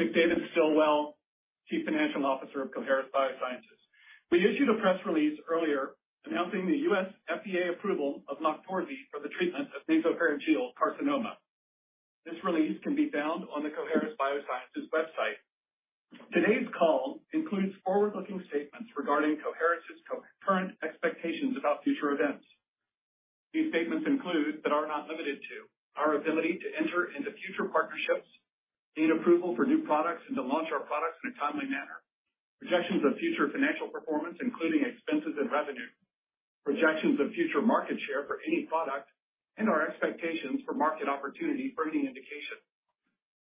McDavid Stilwell, Chief Financial Officer of Coherus BioSciences. We issued a press release earlier announcing the U.S. FDA approval of LOQTORZI for the treatment of nasopharyngeal carcinoma. This release can be found on the Coherus BioSciences website. Today's call includes forward-looking statements regarding Coherus' current expectations about future events. These statements include, but are not limited to, our ability to enter into future partnerships, gain approval for new products, and to launch our products in a timely manner. Projections of future financial performance, including expenses and revenue, projections of future market share for any product, and our expectations for market opportunity for any indication.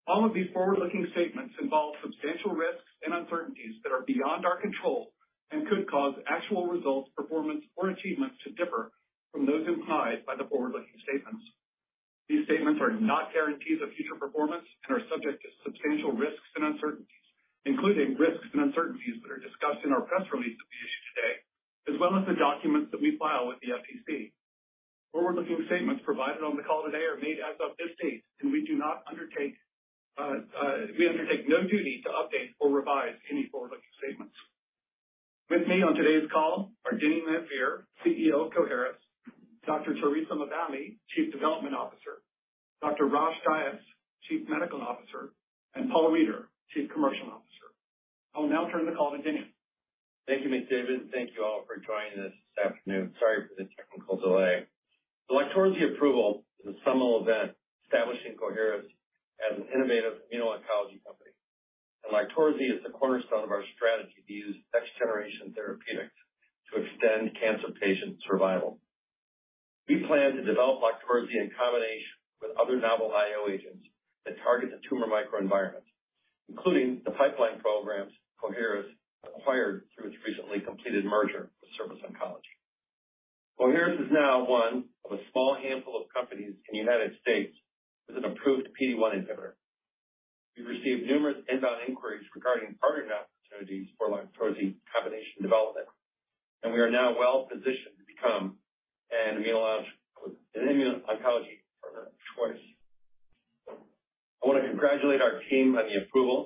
All of these forward-looking statements involve substantial risks and uncertainties that are beyond our control and could cause actual results, performance, or achievements to differ from those implied by the forward-looking statements. These statements are not guarantees of future performance and are subject to substantial risks and uncertainties, including risks and uncertainties that are discussed in our press release that we issued today, as well as the documents that we file with the SEC. Forward-looking statements provided on the call today are made as of this date, and we do not undertake, we undertake no duty to update or revise any forward-looking statements. With me on today's call are Denny Lanfear, CEO of Coherus, Dr. Theresa LaVallee, Chief Development Officer, Dr. Rosh Dias, Chief Medical Officer, and Paul Reider, Chief Commercial Officer. I will now turn the call to Denny. Thank you, McDavid. Thank you all for joining us this afternoon. Sorry for the technical delay. The LOQTORZI approval is a seminal event, establishing Coherus as an innovative immuno-oncology company, and LOQTORZI is the cornerstone of our strategy to use next-generation therapeutics to extend cancer patient survival. We plan to develop LOQTORZI in combination with other novel IO agents that target the tumor microenvironment, including the pipeline programs Coherus acquired through its recently completed merger with Surface Oncology. Coherus is now one of a small handful of companies in the U.S. with an approved PD-1 inhibitor. We've received numerous inbound inquiries regarding partnering opportunities for LOQTORZI combination development, and we are now well-positioned to become an immuno-oncology partner of choice. I want to congratulate our team on the approval,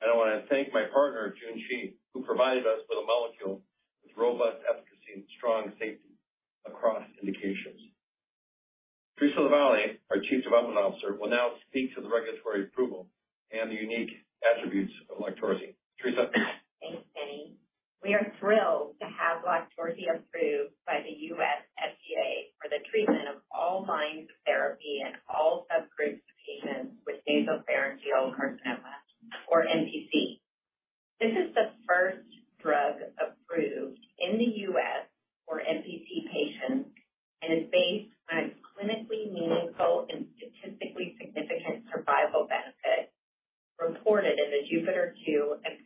and I want to thank my partner, Junshi, who provided us with a molecule with robust efficacy and strong safety across indications. Theresa LaVallee, our Chief Development Officer, will now speak to the regulatory approval and the unique attributes of LOQTORZI. Theresa? Thanks, Denny. We are thrilled to have LOQTORZI approved by the U.S. FDA for the treatment of all lines of therapy and all subgroups of patients with nasopharyngeal carcinoma, or NPC. This is the first drug approved in the U.S. for NPC patients and is based on a clinically meaningful and statistically significant survival benefit reported in the JUPITER-02 and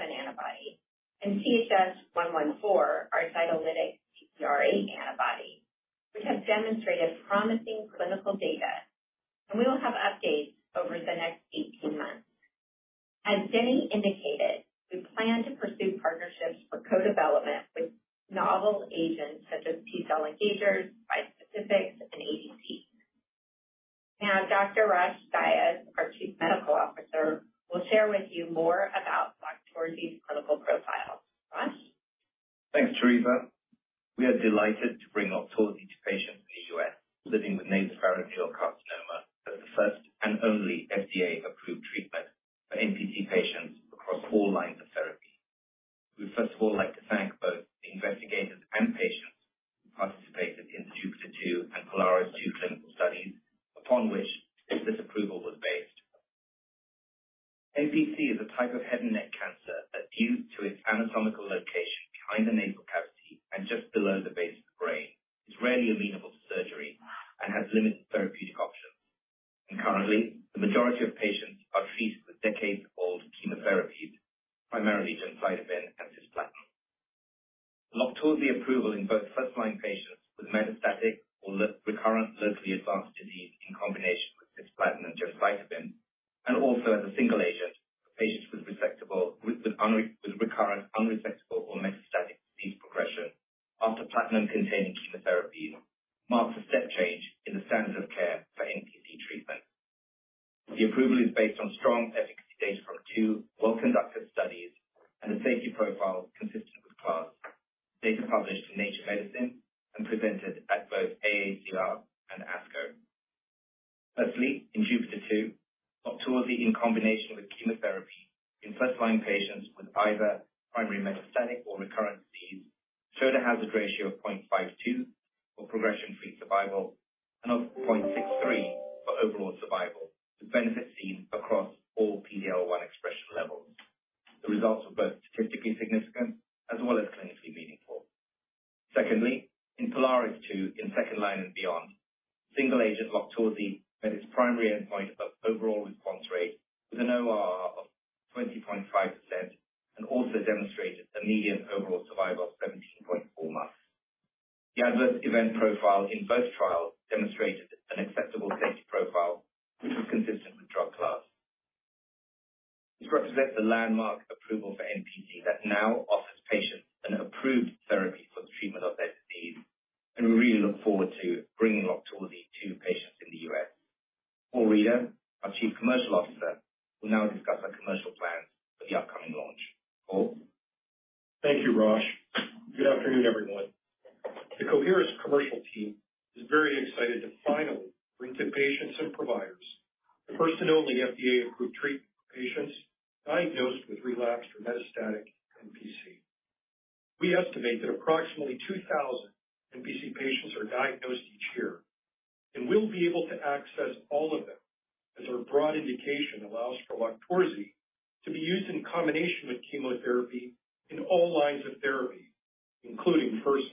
a unique site on the PD-1 receptor. With this approval in hand, LOQTORZI in this key indication allows us to focus on our next stage of our IO strategy, developing LOQTORZI with casdozokitug, our IL-27 antibody, and CHS-114, our cytolytic CCR8 antibody, which have demonstrated promising clinical data, and we will have updates over the next 18 months. As Denny indicated, we plan to pursue partnerships for co-development with novel agents such as T-cell engagers, bispecifics, and ADCs. Now, Dr. Rosh Dias, our Chief Medical Officer, will share with you more about LOQTORZI's clinical profile. Rosh? Thanks, Theresa. We are delighted to bring LOQTORZI to patients in the U.S. living with nasopharyngeal carcinoma as the first and only FDA-approved treatment for NPC patients across all lines of therapy. We'd first of all like to thank both the investigators and patients who participated in the JUPITER-02 and POLARIS-02 clinical studies, upon which this approval was based. NPC is a type of head and neck cancer that, due to its anatomical location behind the approval for NPC that now offers patients an approved therapy for the treatment of their disease, and we really look forward to bringing LOQTORZI to patients in the U.S. Paul Reider, our Chief Commercial Officer, will now discuss our commercial plans for the upcoming launch. Paul? Thank you, Rosh. Good afternoon, everyone. The Coherus commercial team is very excited to finally bring to patients and providers the first and only FDA-approved treatment for patients diagnosed with relapsed or metastatic NPC. We estimate that approximately 2,000 NPC patients are diagnosed each year, and we'll be able to access all of them, as our broad indication allows for LOQTORZI to be used in combination with chemotherapy in all lines of therapy, including first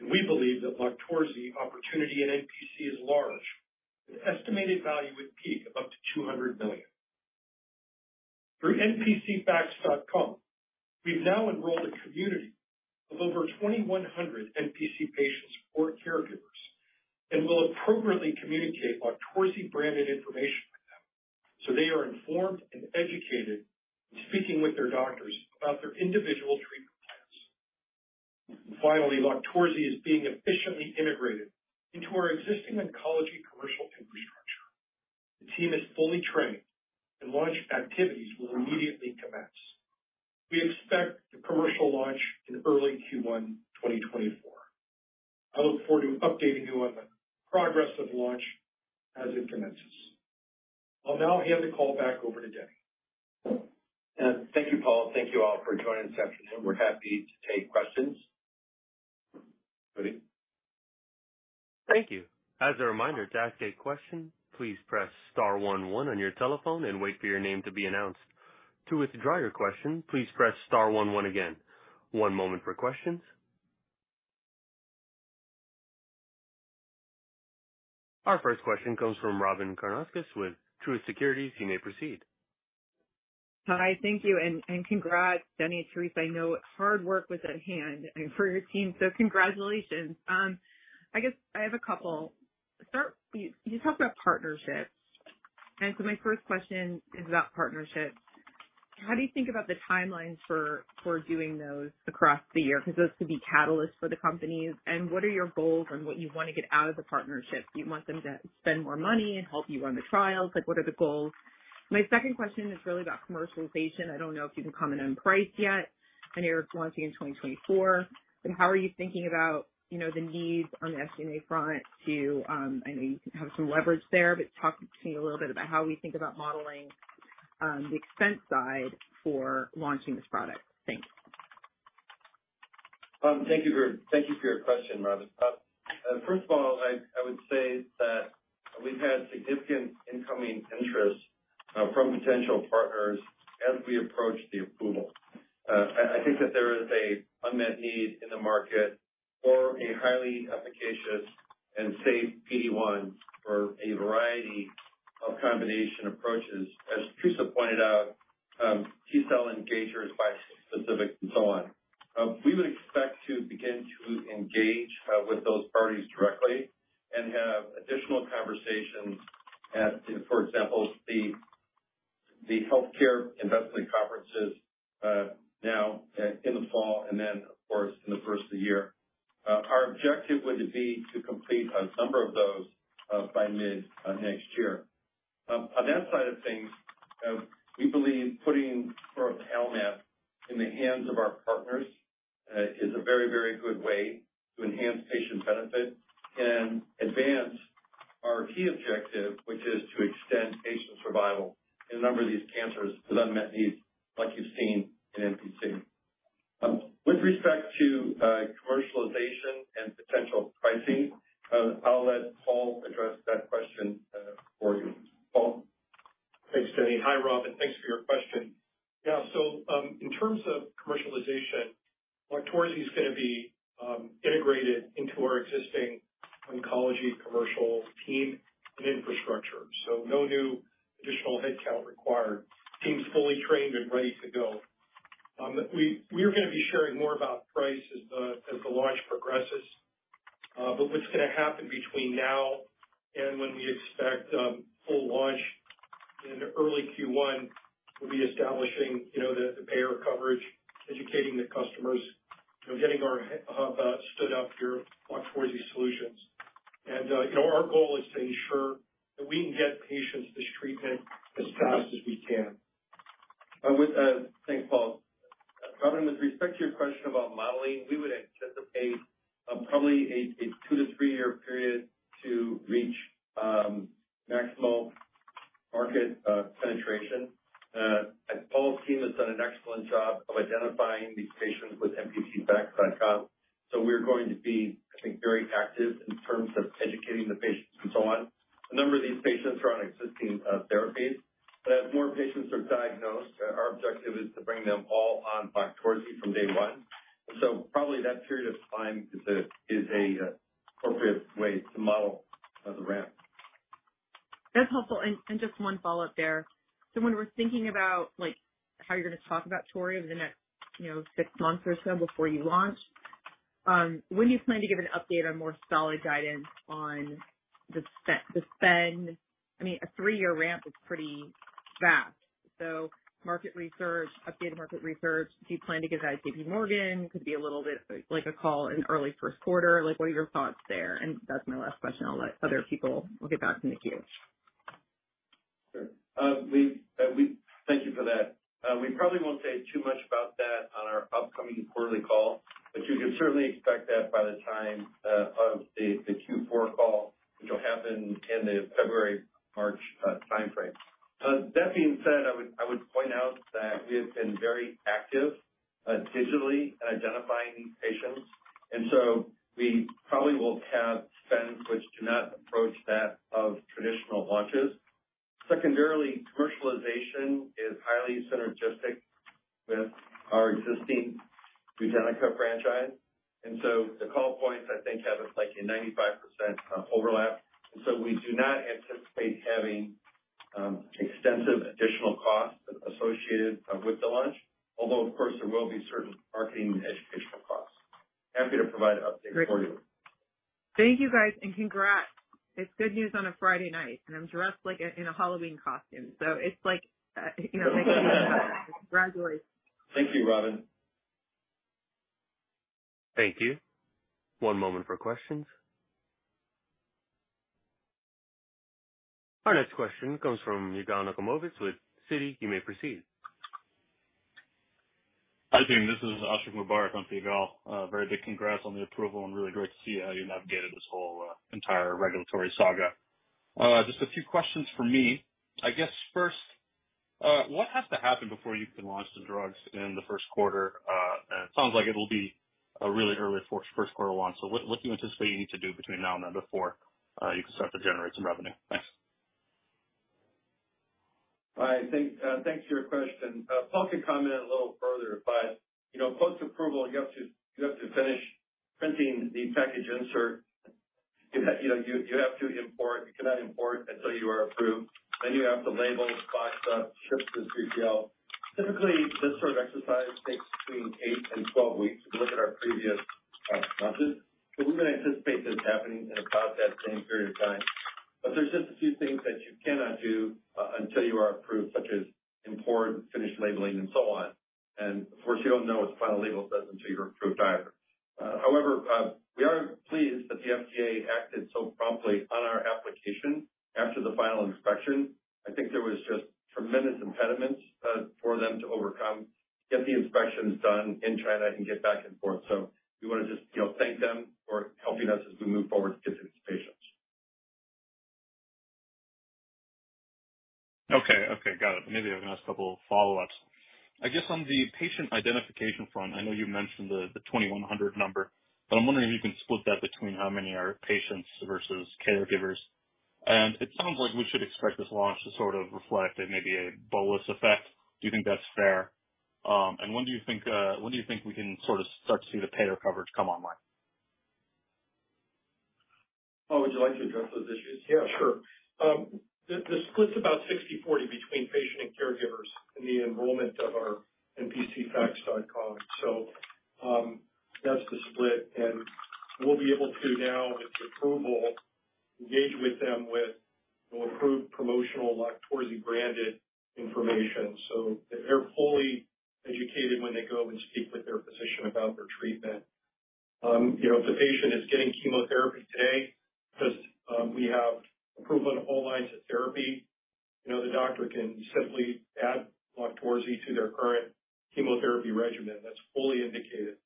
line. We believe that LOQTORZI opportunity in NPC is large, with an estimated value at peak of up to $200 million. Through NPCfacts.com, we've now enrolled a community of over 2,100 NPC patients or caregivers and will appropriately communicate LOQTORZI branded information with them, so they are informed and educated in speaking with their doctors about their individual treatment plans. Finally, LOQTORZI is being efficiently integrated into our existing oncology commercial infrastructure. The team is fully trained and launch activities will immediately commence. We expect the commercial launch in early Q1 2024. I look forward to updating you on the progress of the launch as it commences. I'll now hand the call back over to Denny. Thank you, Paul. Thank you all for joining this afternoon. We're happy to take questions. Ready? Thank you. As a reminder, to ask a question, please press star one one on your telephone and wait for your name to be announced. To withdraw your question, please press star one one again. One moment for questions. Our first question comes from Robyn Karnauskas with Truist Securities. You may proceed. Hi. Thank you, and congrats, Denny and Theresa. I know hard work was at hand and for your team, so congratulations. I guess I have a couple. You talked about partnerships, and so my first question is about partnerships. How do you think about the timelines for doing those across the year? Because those could be catalysts for the company. And what are your goals and what you want to get out of the partnerships? Do you want them to spend more money and help you run the trials? Like, what are the goals? My second question is really about commercialization. I don't know if you can comment on price yet. I know you're launching in 2024, but how are you thinking about, you know, the needs on the SG&A front to, I know you can have some leverage there, but talk to me a little bit about how we think about modeling, the expense side for launching this product? Thanks. Thank you for your question, Robyn. First of all, I would say that we've had significant incoming interest from potential partners as we approach the approval. I think that there is an unmet need in the market for a highly efficacious and safe PD-1 for a variety of combination approaches. As Theresa pointed out, T-cell engagers, bispecific and so on. We would expect to begin to engage with those parties directly and have additional conversations at, for example, the healthcare investment conferences now in the fall and then, of course, in the first of the year. Our objective would be to complete a number of those by mid next year. On that side of things, we believe putting toripalimab in the hands of our partners is a very, very good way to enhance patient benefit and advance our key objective, which is to extend patient survival in a number of these cancers with unmet needs, like you've seen in NPC. With respect to commercialization and potential pricing, I'll let Paul address that question for you. Paul? Thanks, Denny. Hi, Robyn. Thanks for your question. Yeah, so, in terms of commercialization, LOQTORZI is gonna be, integrated into our existing oncology commercial team and infrastructure. So no new additional headcount required. Team's fully trained and ready to go. We are gonna be sharing more about price as the launch progresses. But what's gonna happen between now and when we expect, full launch in early Q1, we'll be establishing, you know, the payer coverage, educating the customers, you know, getting our hub stood up for LOQTORZI Solutions. And, you know, our goal is to ensure that we can get patients this treatment as fast as we can.... I would, thanks, Paul. Robyn, with respect to your question about modeling, we would anticipate, probably a two to three-year period to reach, maximal market penetration. And Paul's team has done an excellent job of identifying these patients with NPCfacts.com. So we're going to be, I think, very active in terms of educating the patients and so on. A number of these patients are on existing therapies, but as more patients are diagnosed, our objective is to bring them all on LOQTORZI from day one. So probably that period of time is a, is a, appropriate way to model the ramp. That's helpful. Just one follow-up there. So when we're thinking about, like, how you're gonna talk about LOQTORZI in the next, you know, six months or so before you launch, when do you plan to give an update on more solid guidance on the sp- the spend? I mean, a three-year ramp is pretty fast. So market research, updated market research, do you plan to give that to JPMorgan? Could be a little bit like a call in early first quarter. Like, what are your thoughts there? And that's my last question. I'll let other people get back in the queue. Sure. We thank you for that. We probably won't say too much about that on our upcoming quarterly call, but you can certainly expect that by the time of the Q4 call, which will happen in the February, March timeframe. That Just a few questions from me. I guess first, what has to happen before you can launch the drugs in the first quarter? And it sounds like it will be a really early first, first quarter launch. So what, what do you anticipate you need to do between now and then before you can start to generate some revenue? Thanks. All right. Thanks for your question. Paul can comment a little further, but, you know, post-approval, you have to, you have to finish printing the package insert. You know, you, you have to import. You cannot import until you are approved. Then you have to label, box up, ship to 3PL. Typically, this sort of exercise takes between 8 and 12 weeks. If you look at our previous, launches, so we may anticipate this happening in about that same period of time. But there's just a few things that you cannot do, until you are approved, such as import, finish labeling, and so on. And of course, you don't know what the final label says until you're approved either. However, we are pleased that the FDA acted so promptly on our application after the final inspection. I think there was just tremendous impediments for them to overcome, get the inspections done in China, and get back and forth. So we want to just, you know, thank them for helping us as we move forward to get to these patients. Okay. Okay, got it. Maybe I have a last couple follow-ups. I guess on the patient identification front, I know you mentioned the 2,100 number, but I'm wondering if you can split that between how many are patients versus caregivers. And it sounds like we should expect this launch to sort of reflect maybe a bolus effect. Do you think that's fair? And when do you think we can sort of start to see the payer coverage come online? Paul, would you like to address those issues? Yeah, sure. The split's about 60/40 between patients and caregivers in the enrollment of our NPCfacts.com. So, that's the split, and we'll be able to now, with approval, engage with them with more approved promotional LOQTORZI branded information so that they're fully educated when they go and speak with their physician about their treatment. You know, if the patient is getting chemotherapy today, just, we have approval on all lines of therapy, you know, the doctor can simply add LOQTORZI to their current chemotherapy regimen. That's fully indicated.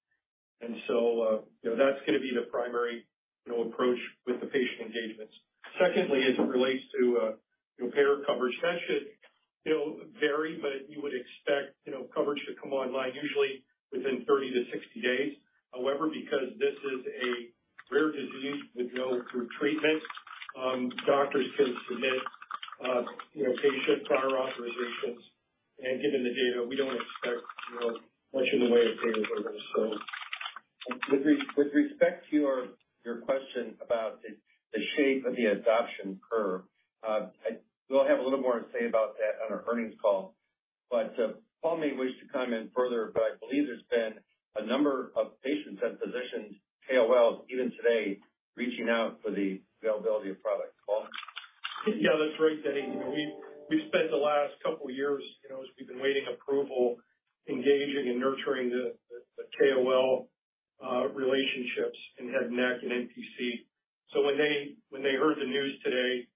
And so, you know, that's gonna be the primary, you know, approach with the patient engagements. Secondly, as it relates to, you know, payer coverage, that should, you know, vary, but you would expect, you know, coverage to come online usually within 30-60 days. However, because this is a rare disease, we go through treatment. Doctors can submit, you know, patient prior authorizations, and given the data, we don't expect, you know, much in the way of payments are going to go. With respect to your question about the shape of the adoption curve, we'll have a little more to say about that on our earnings call, but Paul may wish to comment further, but I believe there's been a number of patients and physicians, KOLs, even today, reaching out for the availability of product. Paul? Yeah, that's right, Denny. You know, we spent the last couple of years, you know, as we've been waiting approval, engaging and nurturing the KOL relationships in head and neck and NPC. So when they heard the news today,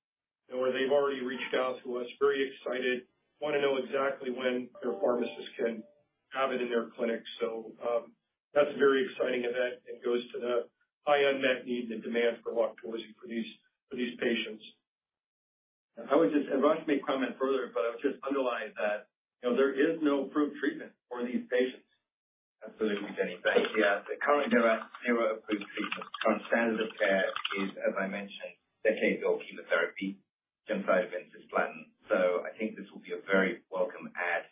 they've already reached out to us, very excited, want to know exactly when their pharmacists can have it in their clinic. So, that's a very exciting event and goes to the high unmet need and demand for LOQTORZI for these patients. I would just, and Rosh may comment further, but I would just underline that, you know, there is no approved treatment for these patients. Absolutely, Denny. Thank you. Currently, there are zero approved treatments. Current standard of care is, as I mentioned, decade-old chemotherapy, gemcitabine plus platinum. So I think this will be a very welcome add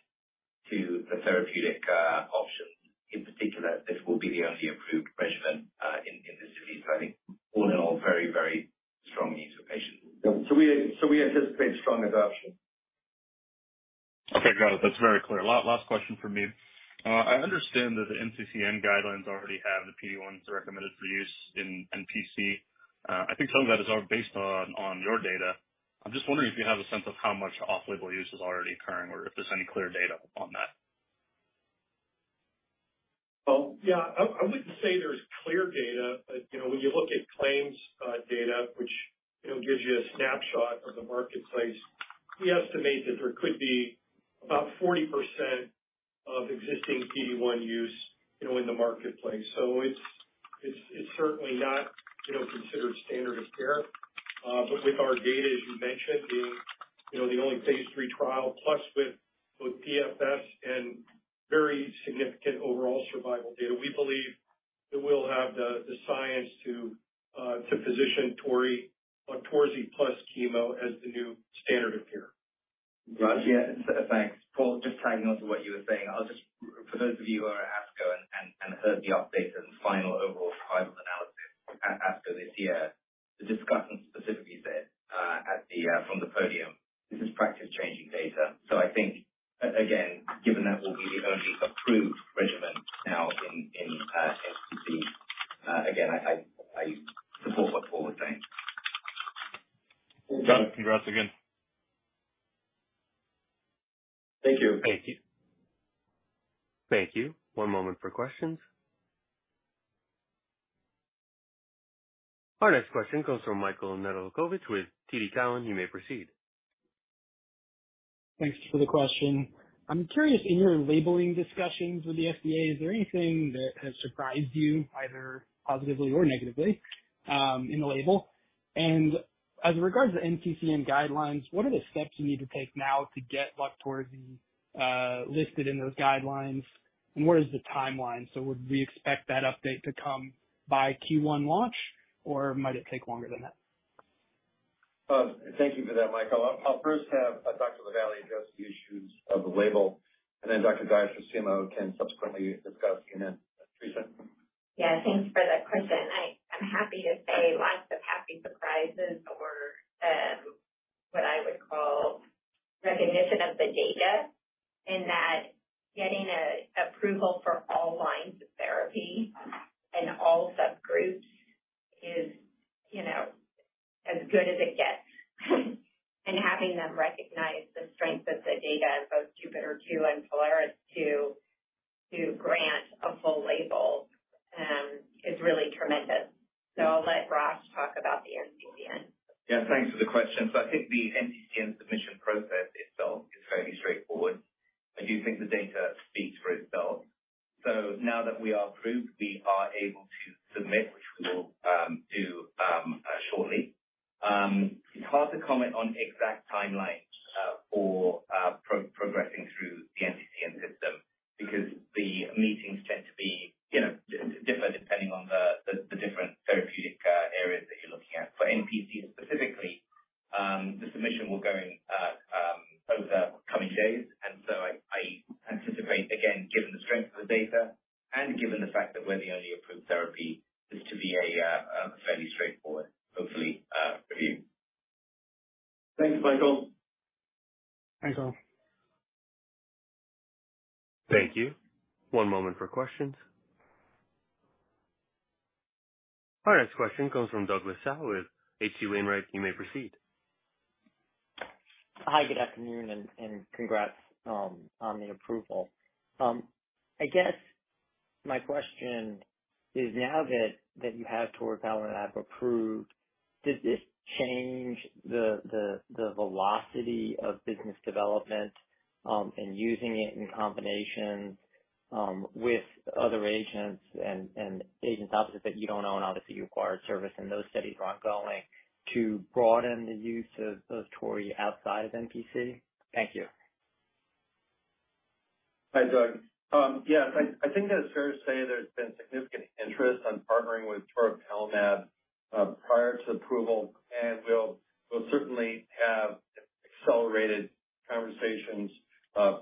to the therapeutic options. In particular, this will be the only approved regimen in this disease. So I think all in all, very, very strong news for patients. So we anticipate strong adoption. Okay, got it. That's very clear. Last question from me. I understand that the NCCN guidelines already have the PD-1 recommended for use in NPC. I think some of that is all based on your data. I'm just wondering if you have a sense of how much off-label use is already occurring or if there's any clear data on that? Well, yeah. I wouldn't say there's clear data, but, you know, when you look at claims data, which, you know, gives you a snapshot of the marketplace, we estimate that there could be about 40% of existing PD-1 use, you know, in the marketplace. So it's certainly not, you know, considered standard of care. But with our data, as you mentioned, being, you know, the only phase 3 trial, plus with both PFS and very significant overall survival data, we believe that we'll have the science to position LOQTORZI plus chemo as the new standard of care. Rosh, yeah. Thanks. Paul, just tagging on to what you were saying, I'll just... For those of you who are at ASCO and heard the update and final overall survival analysis at ASCO this year, the discussant specifically said, at the, from the podium, "This is practice-changing data." So I think, again, given that we'll be the only approved regimen now in, in, NPC, again, I support what Paul is saying. Got it. Congrats again. Thank you. Thank you. Thank you. One moment for questions. Our next question comes from Michael Nedelcovych with TD Cowen. You may proceed. Thanks for the question. I'm curious, in your labeling discussions with the FDA, is there anything that has surprised you, either positively or negatively, in the label? And as regards to NCCN guidelines, what are the steps you need to take now to get LOQTORZI listed in those guidelines, and what is the timeline? So would we expect that update to come by Q1 launch, or might it take longer than that? Thank you for that, Michael. I'll first have Dr. LaVallee address the issues of the label, and then Dr. Rosh our CMO can subsequently discuss the NCCN. Yeah, thanks for the question. I'm happy to say lots of happy surprises or what I would call recognition of the data, in that getting a approval for all lines of therapy and all subgroups is, you know, as good as it gets. And having them recognize the strength of the data in both JUPITER-02 and POLARIS-02 to grant a full label is really tremendous. So I'll let Rosh talk about the NCCN. Yeah, thanks for the question. So I think the in using it in combination with other agents and agents obviously that you don't own, obviously you acquired Surface, and those studies are ongoing, to broaden the use of Tori outside of NPC? Thank you. Hi, Doug. Yes, I think that it's fair to say there's been significant interest on partnering with toripalimab prior to approval, and we'll certainly have accelerated conversations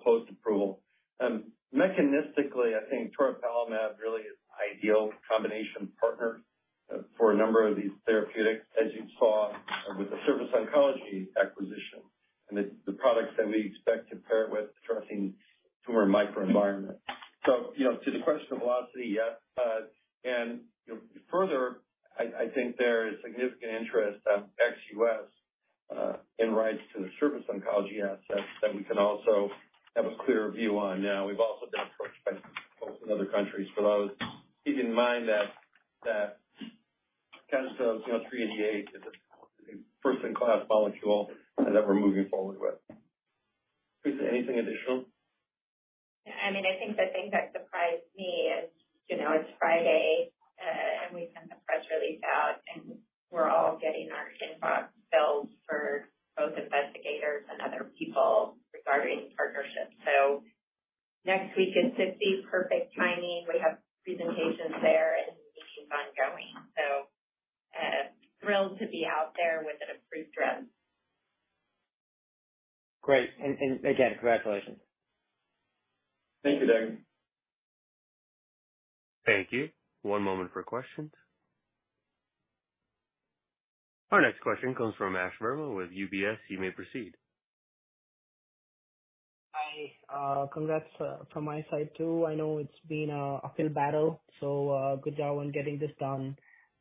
post-approval. Mechanistically, I think toripalimab really is an ideal combination partner for a number of these therapeutics, as you saw with the Surface Oncology acquisition and the products that we expect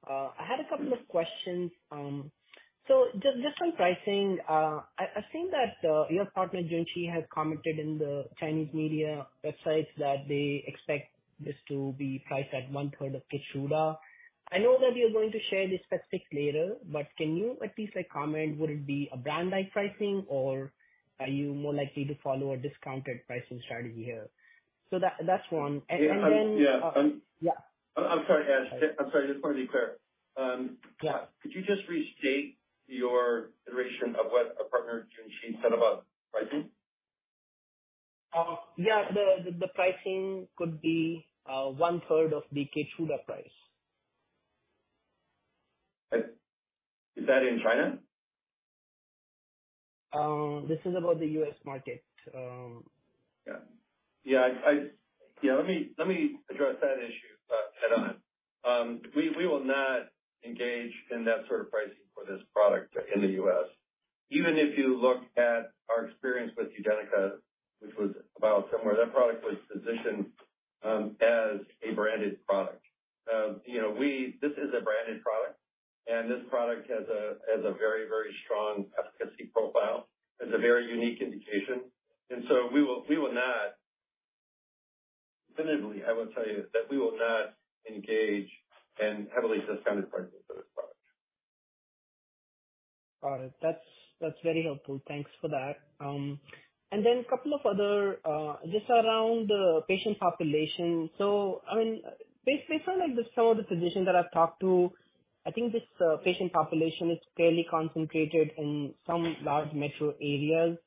I had a couple of questions. So just on pricing, I think that your partner, Junshi, has commented in the Chinese media websites that they expect this to be priced at one-third of KEYTRUDA. I know that you're going to share the specifics later, but can you at least, like, comment, would it be a brand like pricing, or are you more likely to follow a discounted pricing strategy here? So that's one. And then- Yeah, I'm... Yeah. I'm sorry, Ash. I'm sorry. Just want to be clear. Yeah. Could you just restate your iteration of what our partner, Junshi, said about pricing? Yeah, the, the pricing could be, one third of KEYTRUDA price. Is that in China? This is about the U.S. market. Yeah, let me address that issue head on. We will not engage in that sort of pricing for this product in the U.S. Even if you look at our experience with UDENYCA, which was about similar, that product was positioned as a branded product. You know, this is a branded product, and this product has a very, very strong efficacy profile. It's a very unique indication, and so we will not definitively, I will tell you that we will not engage in heavily discounted pricing for this product. All right. That's very helpful. Thanks for that. And then a couple of other, just around the patient population. I mean, based basically like some of the physicians that I've talked to, I think this patient population is fairly concentrated in some large metro areas.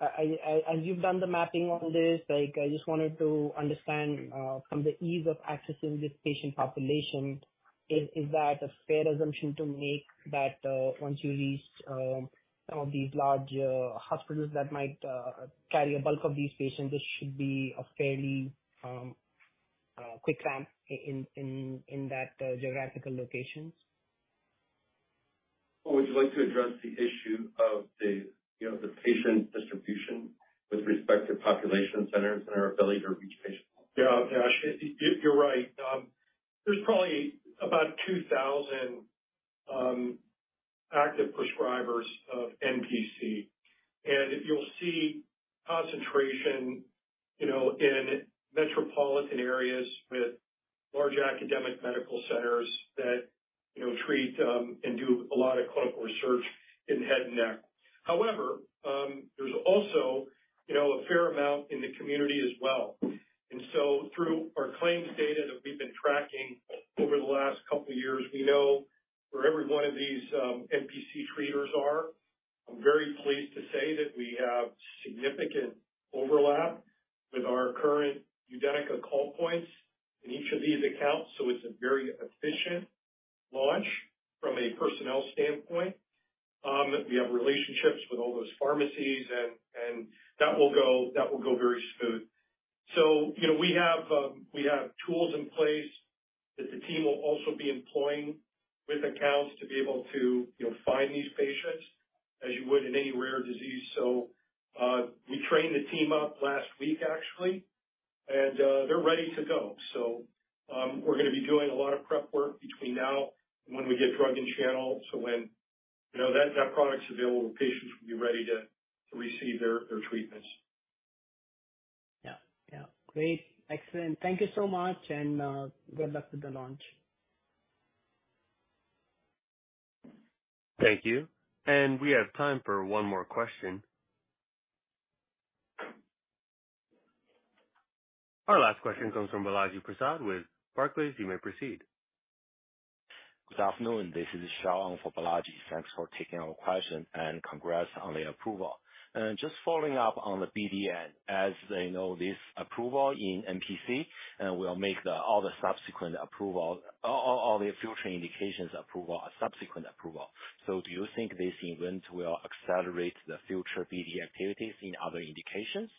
I, as you've done the mapping on this, I just wanted to understand, from the ease of accessing this patient population, is that a fair assumption to make that once you reach some of these large hospitals that might carry a bulk of these patients, this should be a fairly quick ramp in that geographical locations? Well, would you like to address the issue of the, you know, the patient distribution with respect to population centers and our ability to reach patients? Yeah, Ash, you're right. There's probably about 2,000 active prescribers of NPC, and you'll see concentration, you know, in metropolitan areas with large academic medical centers that, you know, treat, and do a lot of clinical research in head and neck. However, there's also, you know, a fair amount in the community as well. Through our claims data that we've been tracking over the last couple of years, we know where every one of these, you know, NPC treaters are. I'm very pleased to say that we have significant overlap with our current UDENYCA call points in each of these accounts, so it's a very efficient launch from a personnel standpoint. We have relationships with all those pharmacies, and that will go, that will go very smooth. So, you know, we have tools in place that the team will also be employing with accounts to be able to, you know, find these patients as you would in any rare disease. So, we trained the team up last week actually, and they're ready to go. So, we're gonna be doing a lot of prep work between now and when we get drug and channel. So when, you know, that product's available, patients will be ready to receive their treatments. Yeah. Yeah. Great. Excellent. Thank you so much, and good luck with the launch. Thank you. We have time for one more question. Our last question comes from Balaji Prasad with Barclays. You may proceed. Good afternoon. This is Shaun for Balaji. Thanks for taking our question, and congrats on the approval. Just following up on the BD, as you know, this approval in NPC will make all the subsequent approval, all the future indications approval, a subsequent approval. So do you think this event will accelerate the future BD activities in other indications?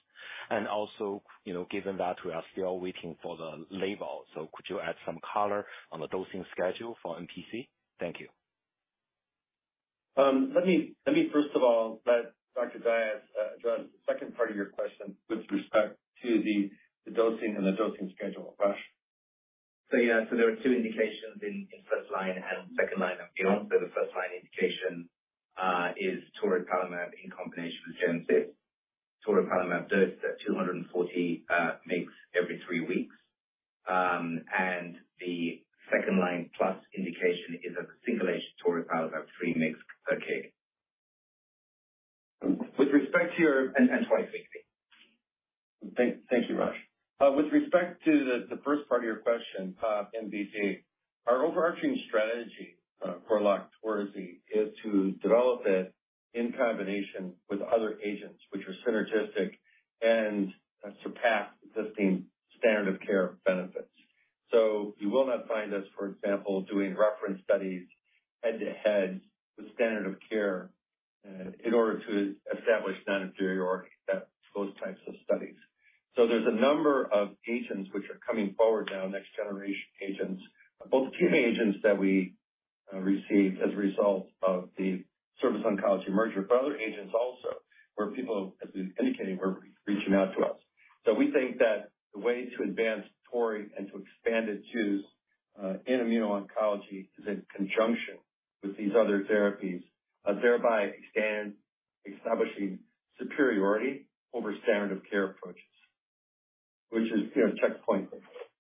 And also, you know, given that we are still waiting for the label, so could you add some color on the dosing schedule for NPC? Thank you. Let me, let me first of all, let Dr. Dias, ...part of your question with respect to the dosing and the dosing schedule. Rosh? Yeah, there are two indications in, in first line and second line and beyond. The first line indication is toripalimab in combination with gemci. Toripalimab dosed at 240 mg every three weeks. The second line plus indication is a single agent toripalimab 3 mg per kg. With respect to your-- and, and twice daily. Thank you, Rosh. With respect to the first part of your question, in NPC, our overarching strategy for LOQTORZI is to develop it in combination with other agents, which are synergistic and surpass existing standard of care benefits. So you will not find us, for example, doing reference studies head-to-head with standard of care in order to establish non-inferiority, those types of studies. So there's a number of agents which are coming forward now, next generation agents, both the agents that we received as a result of the Surface Oncology merger, but other agents also, where people, as we indicated, were reaching out to us. So we think that the way to advance Tori and to expand it to, immuno-oncology is in conjunction with these other therapies, thereby expanding, establishing superiority over standard of care approaches, which is, you know, checkpoint,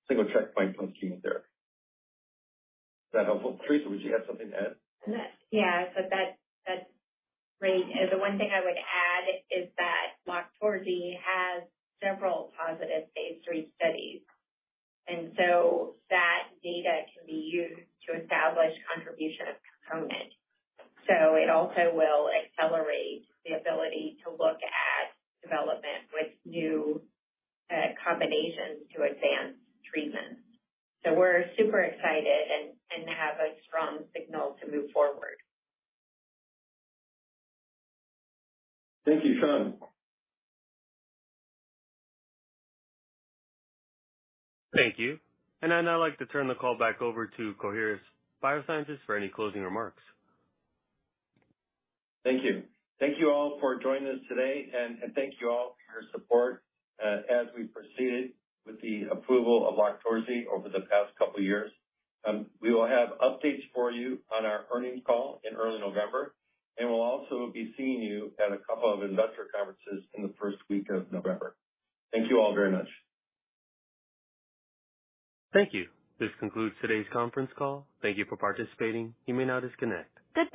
single checkpoint team therapy. Is that helpful? Theresa, would you have something to add? Yeah, so that, that's great. The one thing I would add is that LOQTORZI has several positive phase 3 studies, and so that data can be used to establish contribution of component. So it also will accelerate the ability to look at development with new combinations to advance treatments. So we're super excited and, and have a strong signal to move forward. Thank you. Shaun. Thank you. I'd now like to turn the call back over to Coherus BioSciences for any closing remarks. Thank you. Thank you all for joining us today, and thank you all for your support as we proceeded with the approval of LOQTORZI over the past couple years. We will have updates for you on our earnings call in early November, and we'll also be seeing you at a couple of investor conferences in the first week of November. Thank you all very much. Thank you. This concludes today's conference call. Thank you for participating. You may now disconnect. Good bye